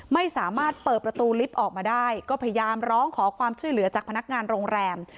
ไม่สามารถเปิดประตูลิฟต์ออกมาได้ก็พยายามร้องขอความช่วยเหลือจากพนักงานโรงแรม